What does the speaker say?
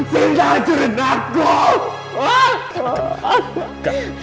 sinta curut aku